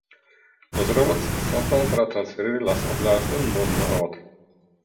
Los robots se emplean para transferir las obleas de un módulo a otro.